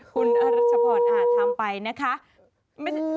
คุณอรัชพรอาจทำไปนะคะ